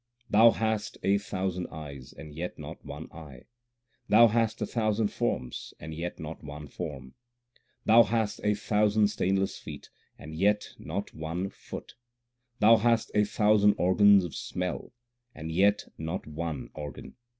Thou hast a thousand eyes and yet not one eye ; Thou hast a thousand forms and yet not one form ; Thou hast a thousand stainless feet and yet not one foot ; Thou hast a thousand organs of smell and yet not one organ.